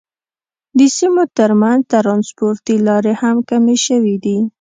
د سیمو تر منځ ترانسپورتي لارې هم کمې شوې دي.